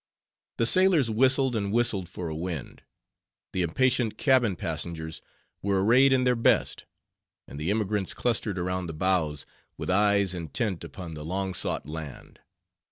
The sailors whistled and whistled for a wind; the impatient cabin passengers were arrayed in their best; and the emigrants clustered around the bows, with eyes intent upon the long sought land.